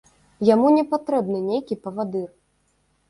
Яму не патрэбны нейкі павадыр.